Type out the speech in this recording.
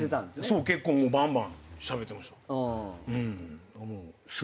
そう結構もうバンバンしゃべってました。